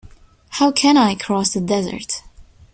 How can I cross the desert?